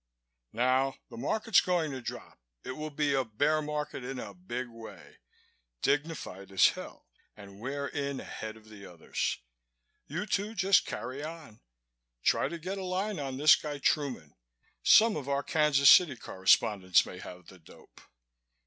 Now, the Market's going to drop. It will be a bear market in a big way, dignified as hell, and we're in ahead of the others. You two just carry on. Try to get a line on this guy Truman. Some of our Kansas City correspondents may have the dope.